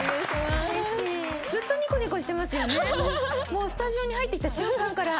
もうスタジオに入ってきた瞬間から。